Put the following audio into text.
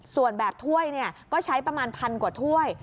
ส่วนแบบถ้วยก็ใช้ประมาณพันกว่าถ้วย